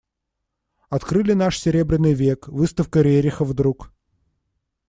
Открыли наш Серебряный век, выставка Рериха вдруг.